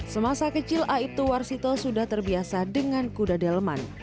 semasa kecil aibtu warsito sudah terbiasa dengan kuda delman